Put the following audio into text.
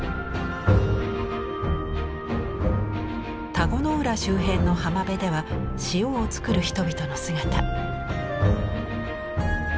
田子の浦周辺の浜辺では塩を作る人々の姿。